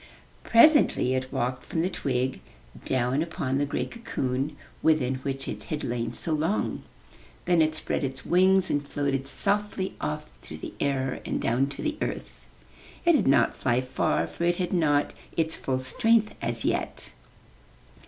Presently it walked from the twig down upon the gray cocoon, within which it had lain so long. Then it spread its wings and floated softly off through the air and down to the earth. It did not fly far, for it had not its full strength as yet.